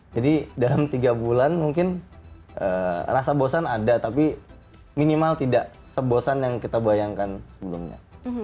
jadi dalam tiga bulan mungkin rasa bosan ada tapi minimal tidak se bosan yang kita bayangkan sebelumnya